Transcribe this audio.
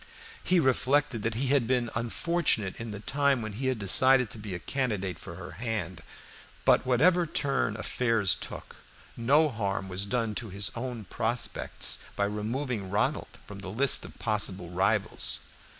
He reflected that he had been unfortunate in the time when he had decided to be a candidate for her hand; but whatever turn affairs took, no harm was done to his own prospects by removing Ronald from the list of possible rivals.